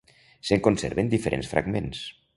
Se'n conserven diferents fragments.